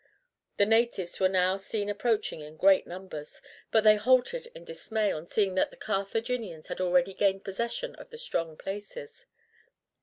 The natives were now seen approaching in great numbers, but they halted in dismay on seeing that the Carthaginians had already gained possession of the strong places.